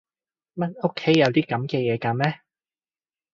乜屋企有啲噉嘅嘢㗎咩？